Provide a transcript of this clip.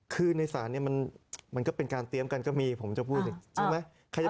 คือในศาลเนี่ยมันก็เป็นการเตรียมกันก็มีผมจะพูดอีกใช่ไหม